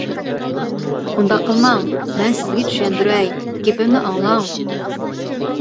-ئۇنداق قىلماڭ، مەن سىزگە چۈشەندۈرەي، گېپىمنى ئاڭلاڭ.